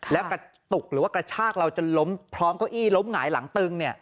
แล้วกระตุกหรือว่ากระชากเราจนล้มพร้อมเก้าอี้ล้มหงายหลังตึง